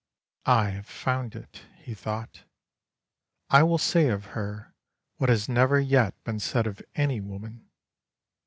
"I have found it," he thought, "I will say of her what has never yet been said of any woman.